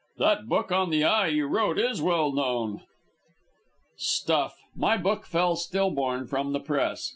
"That book on the eye you wrote is well known." "Stuff! My book fell still born from the Press.